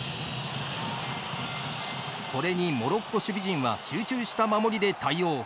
これに、モロッコ守備陣は集中した守りで対応。